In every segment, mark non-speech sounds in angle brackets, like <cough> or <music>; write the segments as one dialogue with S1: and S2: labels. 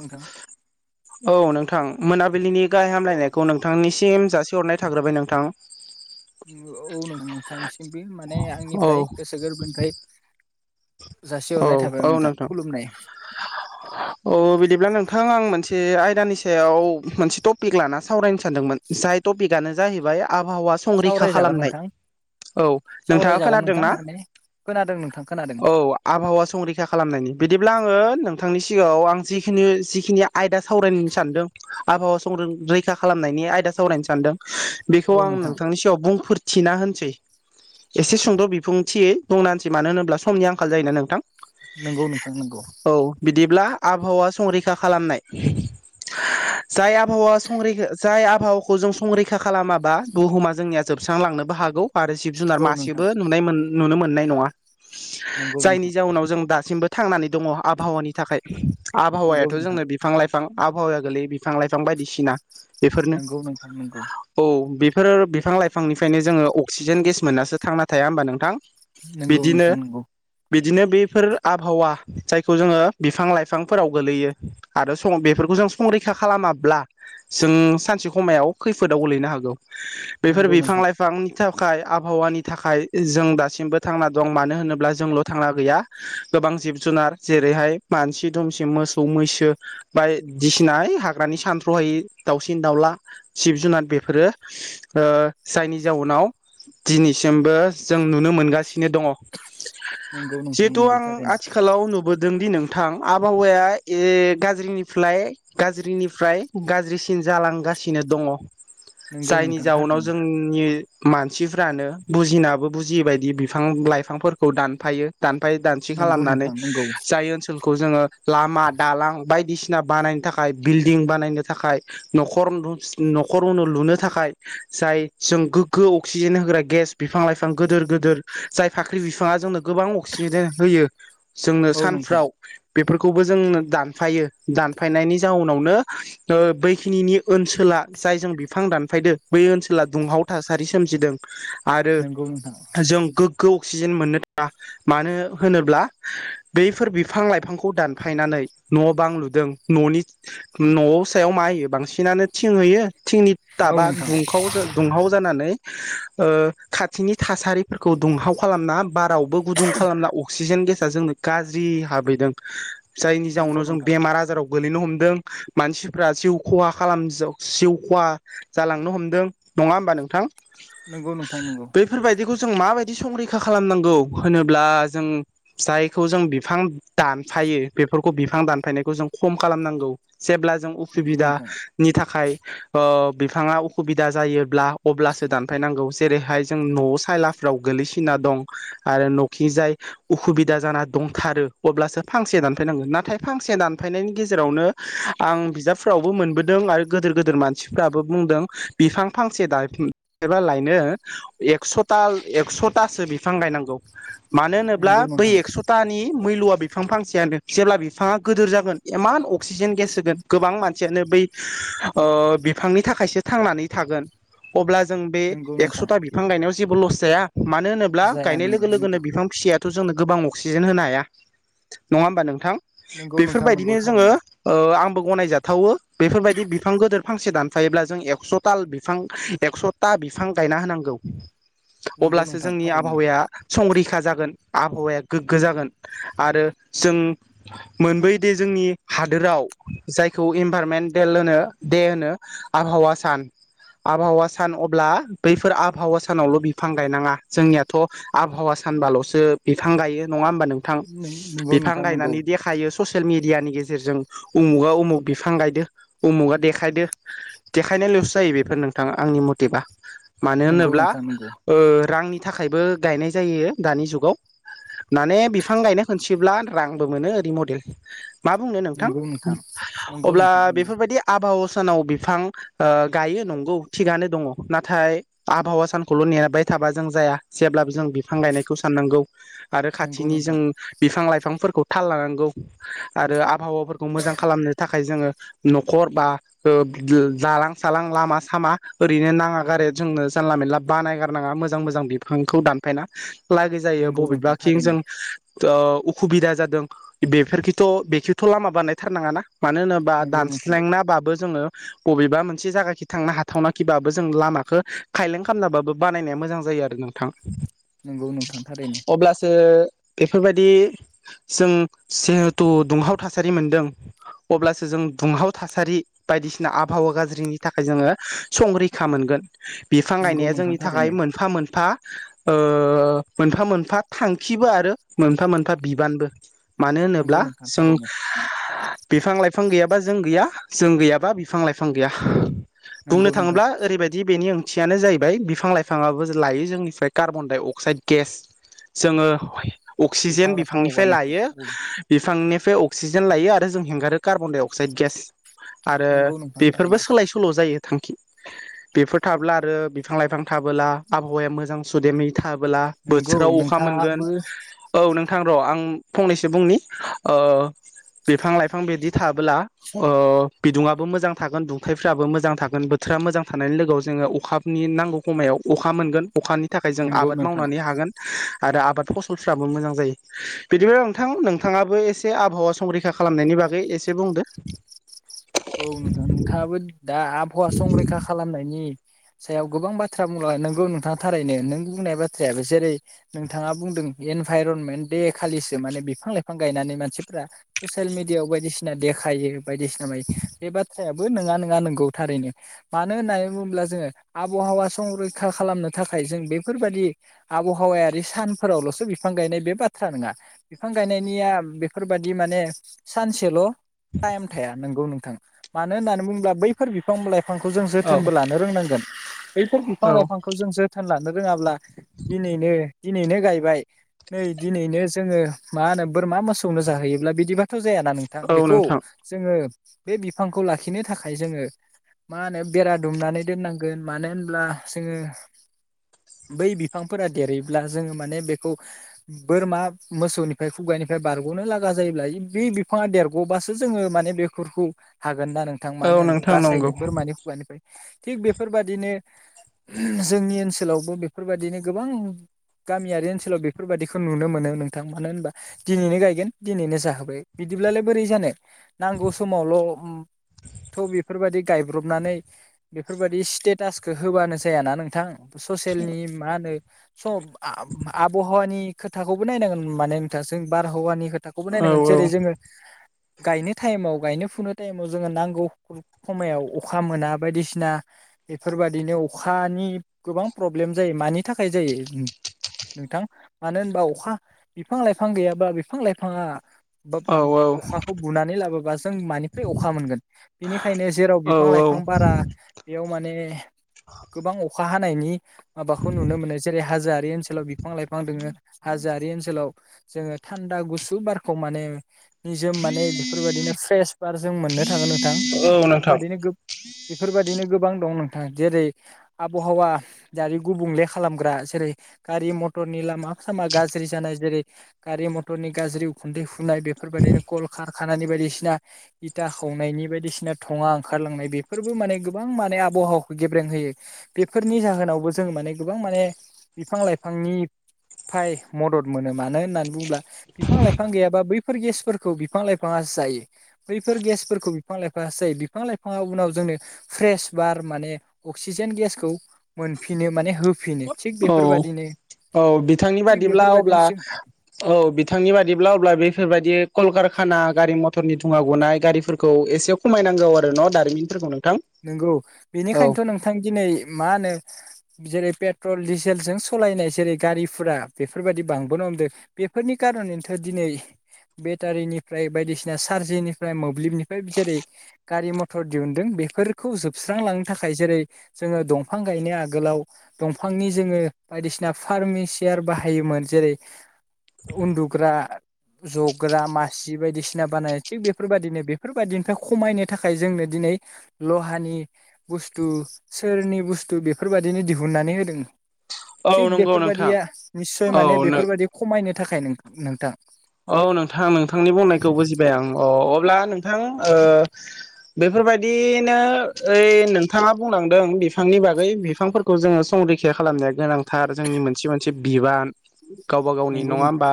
S1: नोंथां
S2: औ नोंथां मोनाबिलिनि गाह हामलायनायखौ नोंथांनिसिम जासिहरनाय थाग्रोबाय नोंथां ।
S1: औ नां नोंथांसिमबो माने
S2: औ
S1: आंनिफ्राय गोसो गोरबोनिफ्राय
S2: औ
S1: जासिहरनाय थाबाय
S2: औ नोंथां
S1: खुलुमनाय
S2: औ बिदिब्ला नोंथां आं मोनसे मोनसे आयदानि सायाव मोनसे टपिक लाना सावरायनो सानदोंमोन जाय टपिकआनो जाहैबाय आबहावा संरैखा
S1: सावरायजागोन
S2: खालामनाय
S1: नोंथां
S2: औ नोंथाङा
S1: सावरायजागोन नोंथां
S2: खोनादोंना
S1: माने खोनादों नोंथां खोनादों
S2: औ आब हावा संरैखा खालामनायनि बिदिब्ला आङो नोंथांनि सिगाङाव आं जिखिनि - जिखिनि आयदा सावरायनो सानदों आबहावा सं रैखा खालामनाय नि आयदा सावरायनो सानदों बेखौ
S1: औ
S2: आं
S1: नोंथां
S2: नोंथांनि सायाव बुंफोर थिना होनसै एसे सुंद' बिफुंथियै बुंना होनसै मानो होनोब्ला समनि आंखाल जायोना नोंथां
S1: नंगौ नोंथां नंगौ
S2: औ बिदिब्ला आबहावा संरैखा खालामनाय जाय आबहावा संरैखा जाय आबहावखौ जों संरैखा खालामाबा बुहुमा जोंनिया जोबस्रांलांनोबो हागौ आरो जिब - जुनार
S1: औ नोंथां
S2: मासेबो नुनाय नुनो मोननाय नङा
S1: नोंगौ
S2: जायनि जाउनाव जों दासिमबो थांनानै दङ आबहावानि थाखाय
S1: नंगौ
S2: आबहावायाथ' जोंनो
S1: नोंथां
S2: बिफां लाइफां बिफां आबहावाया गोलै बिफां -लाइफां बायदिसिना बेफोरनो
S1: नंगौ नोंथां
S2: औ बेफोर बिफां- लाइफांनिफ्रायनो जोङो अक्सिजेन गेस मोननासो थांना थाया होमबा नोंथां ।
S1: नोंगौ नोंथां नंगौ
S2: बिदिनो बेफोर आबहावा जायखौ जोङो बिफां- लाइफांफोराव गोलैयो आरो बेफोर गोजां संरैखा खालामाब्ला जों सानसे खमायाव खैफोदाव गोलैनो हागौ ।
S1: नंगौ
S2: बेफोर बिफां
S1: नोंथां
S2: -लाइफां नि थाखाय आबहावानि थाखाय जों दासिमबो थांना दं मानो होनोब्ला जोंल' थांना गैया गोबां जिब -जुनार जेरैहाय मानसि दुमसि मोसौ मैसो बायदिसिना हाग्रानि सानथ्र'हाय दाउसिन- दाउला, जिब -जुनार बेफोरो ओ जायनि जाउनाव दिनैसिमबो जों नुनो मोनगासिनो दङ
S1: नंगौ नोंथां
S2: जिहेथु
S1: नंगौ
S2: आं
S1: थारैनो
S2: आथिखालाव नुबोदों दि नों थां आबहावाया ए गाज्रिनिफ्राय -गाज्रिनिफ्राय गाज्रिसिन जालांग गासिनो दङ
S1: नंगौ
S2: जायनि
S1: नोंथां
S2: जाउनाव
S1: थारैनो
S2: जोंनि मानसिफ्रानो बुजिनाबो बुजियैबायायदि बिफां - लाइफांफोरखौ दानफायो दानफायो दानस्रि
S1: नंगौ
S2: खालामनानै
S1: नोंथां नंगौ
S2: जाय ओनसोल खौ जोङो लामा दालां बायदिसिना बानायनो थाखाय बिल्डिं बानायनो थाखाय न'खर नुस न'खर उनु लुनो थाखाय जाय जों गोग्गो अक्सिजेन होग्रा गेस बिफां -लाइफां गोदोर -गोदोर जाय फाख्रि बि फाङा जोंनो गोबां अक्सिजेन होयो जोंनो
S1: औ नोंथां
S2: सानफ्राव बेफोरखौबो जोंनो दानफायो दानफायनायनि जाउनावनो ओ बैखिनि ओनसोल आं जायजों बिफां दानफायदों बै ओनसोला दुंहाव थासारि सोमजिदों। आरो
S1: नंगौ नोंथां
S2: जों गोग्गौ सि क्सिजेन मोननो थाङा होनोब्ला बैफोर बिफां -लाइफांखौ दानफायनानै न' बां लुदों न'नि न' सायाव मा होयो बांसिनानो थिं होयो थिंनि
S1: औ
S2: टाबा
S1: नोंथां
S2: दुंखाव -दुंहाव जानानै ओ खाथिनि थासारिफोरखौ दुंहाव खालामना बारावबो गुदुं खालामना अक्सिजेन गेस जोंनो गाज्रि हाबैदों जायनि
S1: नंगौ
S2: जाउनाव जों
S1: नोंथां
S2: बेमार आजाराव गोलैनो हमदों मानसिफ्रा जिउ खहा खालाम जिउ खहा जालांनो हमदों नङा होमबा नोंथां
S1: नोंगौ नोंथां नोंगौ
S2: बैफोरबायदिखौ जों माबायदि संरै खा खालामनांगौ होनोब्ला जों जायखौ जों बिफां दानफायो बेफोरखौ बि बिफां दानफायनायखौ जों खम खालामनांगौ जेब्ला जों
S1: नंगौ नोंथां
S2: उसुबिदानि थाखाय ओ बिफाङा उखुबिदा जायोब्ला अब्लासो दानफायनांगौ जेरैहाय जों न'आव सायला फ्राव गोल्लैसो सिना दं आरो न'खि जाय उखुबिदा जाना दंथारो अब्लासो फांसे दानफायनांगौ। नाथाय फांसे दानफायनायनि गेजेरावनो आं बिजाबफोरावबो मोनबोदों आरो गोदोर गोदोर मानसिफ्राबो बो बुंदों बिफां फांसे दानफिन एबा लायनो एकस'दाल एक्स तासो बिफां गायनांगौ मानो होनोब्ला
S1: नंगौ
S2: बै
S1: नोंथां
S2: एकस' तानि मैलया बिफां फांसेयानो जेब्ला बिफाङा गिदोर जागोन इमान अक्सिजेन गेस होगोन गोबां मानसियानो बै ओ बिफांनि थाखायसो थांनानै थागोन अब्ला जों बे
S1: नंगौ नोंथां
S2: एकस'था बिफां गायनायाव जेबो लस जाया मानो होनोब्ला
S1: जाया
S2: गायनाय
S1: नंगौ
S2: लोगो लोगोनो
S1: नोंथां
S2: बिफां फिसिया थ' जोंनो गोबां अक्सिजेन होनो हाया नङा ओमबा नोंथां।
S1: नंगौ नोंथां नंगौ
S2: बेफोरबायदिनो जोङो
S1: थारैनो
S2: ओ आं गनायजाथावो बेफोरबायदि बिफां गोदिर फांसे दानफायोबा जों एक्स दाल बिफां एक्स ता बिफां गायना होनांगौ
S1: नंगौ
S2: अब्लासो
S1: नोंथां
S2: जोंनि
S1: थारैनो
S2: आबहावाया संरैखा जागोन आबहावाया गोग्गो जागोन आरो जों मोनबोयोदि जों नि हादोराव जायखौ इनभारमेन्टेल होनो दे होनो आबहावा सान । आबहावा सान अब्ला बैफोर आबहावा सानावल' बि बिफां गायनाङा जोंनियाथ' आबहावा सानबाल'सो बिफां गायो। नङा ओनबा नोंथां
S1: नंगौ
S2: बिफां
S1: नोंथां नंगौ
S2: गायनानै देखायो सेसियेल मि डियानि गेजेरजों उमुका उमुख बिफां गायदो उमुका देखायदो देखायनायल'सो जा यो बेफोर नोंथाङा आंनि मथेबा मानो
S1: नंगौ
S2: होनोब्ला
S1: नोंथां नंगौ
S2: ओ रांनि थाखायबो गायनाय जायो दानि जुगाव । माने बिफां गायनो खोनथिब्ला रांबो मोनो ओरै मडेल मा बुंनो नोंथां
S1: नंगौ
S2: अब्ला
S1: नोंथां
S2: बेफोरबायदि आबहावस सानाव बिफां ओ गायो नंगौ थिगनो दङ नाथाय आबहावा सानखौल' नेबाय थाबा जों जाया जेब्लाबो जों बिफां गायनायखौ साननांगौ आरो
S1: नंगौ नंगौ
S2: खाथिनि जों
S1: नोंथां
S2: बिफां लाय फांफोरखौ थाल लानांगौ आरो आबहावाफोरखौ मोजां खालामनो थाखाय जोङो न'खर बा ओ दालां-सालां लामा-सामा ओरैनो नाङागारे जोंनो जानला मेनला बानायगा होनाङा मोजां मोजां बिफांखौ दानफायना लागै जायो
S1: नंगौ
S2: बबेबा
S1: नोंथां
S2: थिं
S1: थारैनो
S2: जों ओ उखुबिदा जादों बेफोरखिथ' बेखिथ' लामा बानायथार नाङा ना? मानो होनोबा
S1: नंगौ नोंथां
S2: दानस्लेनाबाबो जोङो बबेबा मोनसे जायगाखि थांनो हाथावनाखिबाबो जों लामाखौ खायलें खालामना बाबो बानायनाया मोजां जायो आरो नोंथां ।
S1: नंगौ नोंथां थारैनो।
S2: बेफोरबायदि जों जिहेथु दुंहाव थासारि मोनदों। अब्लासो जों दुंहाव थासारि बायदिसिना आबहावा गाज्रिनि थाखाय जोङो संरैखा मोनगोन। बिफां
S1: नंगौ
S2: गायनाया
S1: नोंथां
S2: जोंनि थाखाय
S1: थारैनो
S2: मोनफा मोनफा मोनफा मोनफा थांखिबो आरो मोनफा मोनफा बिबानबो मानो
S1: नंगौ
S2: होनोब्ला
S1: नोंथां
S2: जों
S1: थारैनो
S2: बिफां लाइफां गैयाबा जों गैया जों गैयाबा बिफां लाइफां गैया। बुंनो
S1: नंगौ नोंथां
S2: थाङोब्ला ओरैबायदि बेनि ओंथियानो जाहैबाय। बिफां लाइफाङाबो लायो जोंनिफ्राय कार्बन दडाइ अक्साइड गेस जोङो
S1: बिफां
S2: अक्सिजेन
S1: लाइफां
S2: बिफांनिफ्राय
S1: हगारनायखौ
S2: लायो
S1: औ
S2: बिफांनि बेफ्राय अक्सिजेन लायो आरो हगारो कार्बन डाइ अक्साइड गेस आरो
S1: नंगौ नोंथां
S2: बेफोरबो
S1: थारैनो
S2: सोलाय सोल' जायो। थांखि बेफोर थाब्ला आरो बिफां लाइफां थाबोला आबहावाया मोजां सुदेमै थाबोला
S1: नंगौ
S2: बोथोराव अखा मोनगोन
S1: नोंथाङाबो
S2: औ नोंथां र' आं फंनैसो बुंनि ओ बिफां -लाइफां बिदि थाब्ला बिदुङआो मोजां थागोन दुंथाइफ्राबो मोजां थागोन बोथोर <unintelligible> मोजां थानायनि लोगोआव जोङो अखाबनि नांगौ समायाव अखा मोनगोन अखानि थाखाय जों
S1: नंगौ
S2: आबाद
S1: नोंथां
S2: मावनानै हागोन। आरो आबाद फसलफ्राबो मोजां जायो बिदिब नोंथां नोंथाङाबो एसे आबहावा संरैखा खालामनायनि बागै एसे बुंदो।
S1: औ नोंथां नोंथाङाबो दा आबहावा संरैखा खालामनायनि सायाव गोबां बाथ्रा बुंला नोंगौ नोंथाङा थारैनो नों बुंनाय बाथ्रायाबो जेरै नोंथाङा बुंदों इनभाइरनमे दे खालिसो माने बिफां -लाइफां गायनानै मानसिफोरा्रा ससियेल मिडियाआव बायदिसिना देखायो बायदिसिना बाय बाथ्रायाबो नङा- नङा नंगौ थारैनो मानो होननानै बुङोब्ला जोङो आबहावा संरैखा खालामनो थाखाय जों बेफोरबायाददि आबहावायारि सानफोरावल'सो बिफां गायनाय बे बाथ्रा नङा बिफां बिफां गायनायनिया बेफोरबादि माने सानसेल' टाइम थाया नोंगौ नोंथां मानो होननानै बुंङोब्ला बैफोर बिफां -लायफां बिफांखौ जों
S2: औ
S1: जोथोनबो लानो रोंनांगोन। बैफोर
S2: औ
S1: बिफां -लाइफांखौ जों जोथोन लानो रोङाब्ला दिनैनो दिनैनो गायबाय नै दिनैनो जोङो मा होनो बोरमा <unintelligible> मोसौनो जाहैयोब्ला बिदिबाथ' जायाना नोंथां
S2: औ
S1: बेखौ
S2: नोंथां
S1: जोङो बे बिफांखौ लाखिनो थाखाय जोङो मा होनो बेरा दुमनानै दोननांगोन मानो होनब्ला जोङो बै बिफांफोरा देरहब्ला जोङो माने बेखौ बोरमा मोसौनिफ्राय खुगायनो <unintelligible> बारग'नो लागा जायोब्ला बे बिफाङा देरग'बासो जोङो माने बेफोरखौ हागोन ना नोंथां?
S2: औ
S1: मानो होनो
S2: नोंथां नंगौ
S1: बासायनो बोरमानि हुगानिफ्राय थिग बेफोरबादिनो जोंनि ओनसोलावबो बेफोरबायदिनो गोबां गामियारि ओनसोलाव बेफोरबायाददिखौ नुनो मोनो नोंथां। मानो होनबा दिनैनो गायगोन दिनैनो जाहोबाय बिदि बिदिब्लालाय बोरै जानो नांगौ समावल'
S2: <unintelligible>
S1: थ' बेफोरबायदि गायब्रबनानै बेफोरबायदि स्टेटासखौ होबानो जायाना नोंथां। ससेयेलनि मा होनो स' आब-आबहावानि खोथाखौबो नायनांगोन माने नोंथां जों बारहावानि खोथा थाखाखौबो
S2: औ
S1: नायनांगोन जेरै जोङो गायनो टाइमाव गायनो फुनो टाइमाव जोङो नांगौ समायाव अखा मोना बायदिसिना बेफोरबायदिनो अखानि गोबां प्रब्लेम जायो मानि थाखाय जायो नोंथां मानो होनबा अखा बिफां -लाइफां गैयाबा बिफां- लाइफाङा बा
S2: औ
S1: अखाखौ बुनानै लाबोबा जों मानि <unintelligible> अखा मोनगोन बेनिखायनो जेराव
S2: औ
S1: बिफां
S2: औ
S1: -लाइफां बारा बेयाव माने गोबां अखा हानायनि माबाखौ नुनो मोनो जेरै <unintelligible> बे ओनसोलाव बिफां -लाइफां दोंङो हाजोयारि ओनसोलाव जोंङो थान्दा गुसु बारखौ माने निजोम माने बेफोरबायदिनो फ्रेस बार जों मोननो थांङो नोंथां
S2: औ नोंथां
S1: बेफोरबायदिनो गोब- बेफोरबायदिनो गोब गोबां दं नोंथांङा जेरै आबहावा जारि गुबुंले खालामग्रा जेरै गारि- मथर <unintelligible> लामा सामा गाज्रि जानाय जेरै गारि- मथरनि गाज्रि उखुन्दै फुनाय बेफोरबायदिनो कलखारखानानि बायदिसिना इथा खावनायनि बायदिसिना थंङा ओंखारलांनाय बेफोरबो माने गोबां माने आबहावाखौ गेब्रेंहोयो। बेफोरनि जाहोनावबो जों माने गोबां माने बिफां- लाइफांनि मदद मोनो मानो होननानै बुंङोब्ला बिफां- लाइफां गैयाबा बैफोर गेसफोरखौ बिफां- लाइफाङा जायो। बैफोर गेसफोरखौ बिफां -लाइफांयासो जायो। बिफां- लाइफाया उनाव जोंनो फ्रेस बार माने अक्सिजेन <unintelligible> गेसखौ मोनफिनो माने होफिनो थिग
S2: औ
S1: बेफोरबादिनो
S2: औ बिथांनि
S1: थिग
S2: बादिब्ला
S1: बेफोरबायदिनो
S2: अब्ला
S1: जों
S2: औ बिथांनि बादिब्ला अब्ला बेफोरबायदि कलकारखाना गारि मथरनि थुंङा गनाय गारिफोरखौ एसे खमायनांगौ आरो न' दारिमिनफोरखौनो
S1: नंगौ बेनिखायनोथ' नोंथां दिनै मा होनो जेरै पेट पेट्रल डिजेलजों सलायनाय जेरै गारिफोरा बेफोरबायदि बांबोनो हमदों बेफोरनि खारनैनोथ' दिनै यै बेटारिनिफ्राय बायदिसिना चार्जिनिफ्राय मोब्लिबनिफ्राय जेरै गारि मथर दिहुनदों बे फोरखौ जोबस्रांलांनो थाखाय जेरै जोंङो दंफां गायनो आगोलाव दंफांनि जोंङो बायदिसिना फारमेसियार बाहायोमोन जेरै उन्दुग्रा जग्रा मासि बायदिसिना बानायो थिग बेफोरबायदिनो बेफोरबायदिनिफ्राय खमायनो थाखाय जोंनो दिनै लहानि बुस्थु सोरनि बुस्थु बेफोरबादिनो दिहुननानै होदों।
S2: औ
S1: थिग
S2: नंगौ नोंथां
S1: बेफोरबायदिया निस्सय
S2: औ
S1: माने
S2: नों
S1: बेफोरबायदि खमायनो थाखाय नों नोंथां
S2: औ नोंथां नोंथांनि बुंनायखौ बुजिबाय आं अ अब्ला नोंथां ओ बेफोरबायदिनो ओइ नोंथांङा बुंलांदों बिफांनि बागै बिफांफोरखौ जोंङो संरैखा खालामनाया गोनांथार जोंनि मोनसे मोनसे बिबान। गावबा गावनि
S1: नंगौ
S2: नङा
S1: नोंथां
S2: होमबा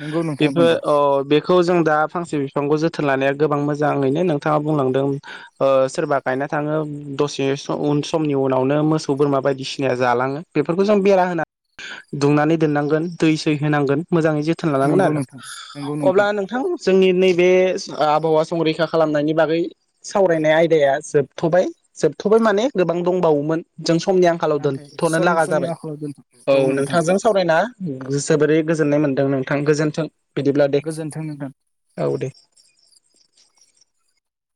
S1: नंगौ नोंथां
S2: बिफो
S1: नंगौ
S2: अ बेखौ जों दा फांसे बिफांखौ जोथोन लानाया गोबां मोजांङैनो नोंथांङा बुंलांदों ओ सोरबा गायना थांङो दसे स उन समनि उनावनो मोसौ बोरमा बायदिसिनाया जालांङो बेफोरखौ जों बेरा होना दुंनानै दोननांगोन दै सै होनांगोन मोजांङै जोथोन लानांगोन
S1: नंगौ
S2: आरो
S1: नोंथां नंगौ
S2: अब्ला नोंथां जोंनि नैबे स आबहावा संरैखा खालामनायनि बागै सावरायनाय आयदाया जोबथ'बाय जोब थबाय माने गोबां दंबावोमोन जों स समनि आंखालाव
S1: नाथाय
S2: दोनथ'नो
S1: सम
S2: लागा
S1: समनि
S2: जाबाय
S1: आंखालाव दोनथ'
S2: औ
S1: नोंथां
S2: नोंथांजों सावरायना जोबोरै गोजोननाय मोनदों नोंथां गोजोनथों बिदिब्ला दे
S1: गोजोन्थों नोंथां
S2: औ दे